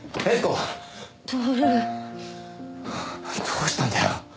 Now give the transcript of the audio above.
どうしたんだよ？